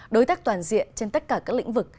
đối tác toàn diện trên tất cả các lĩnh vực